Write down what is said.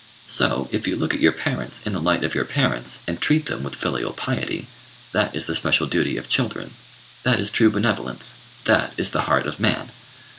So, if you look at your parents in the light of your parents, and treat them with filial piety, that is the special duty of children; that is true benevolence; that is the heart of man.